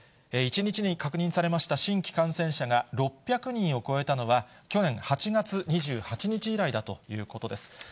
１日に確認されました新規感染者が６００人を超えたのは、去年８月２８日以来だということです。